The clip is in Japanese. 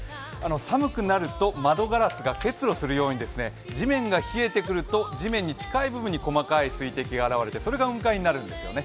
寒くなると窓ガラスが結露するように地面が冷えてくると、地面に近い部分に細かい水滴が現れてそれが雲海になるんですよね。